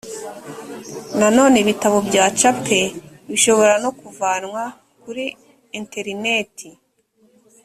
nanone ibitabo byacapwe bishobora no kuvanwa kuri interineti